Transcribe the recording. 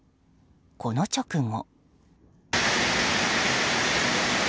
この直後。